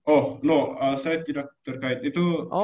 oh no saya tidak terkait itu project oh